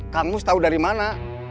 kang gus tau dari mana